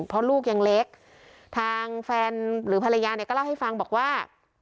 เพราะลูกยังเล็กทางแฟนหรือภรรยาเนี่ยก็เล่าให้ฟังบอกว่า